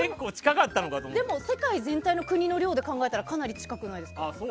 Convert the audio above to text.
世界全体の国の量からするとかなり近くないですか？